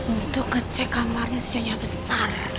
untuk ngecek kamarnya si nyonya besar